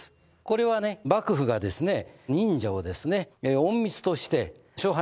これはね幕府がですね。